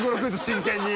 真剣に！